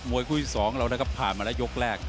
หมวยที่๒เราก็ผ่านมาละยกแรก